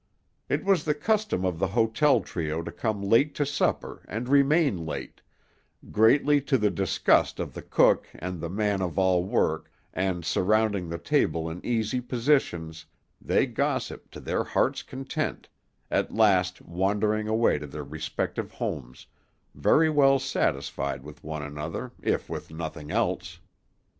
It was the custom of the hotel trio to come late to supper and remain late, greatly to the disgust of the cook and the man of all work, and, surrounding the table in easy positions, they gossipped to their heart's content, at last wandering away to their respective homes, very well satisfied with one another, if with nothing else.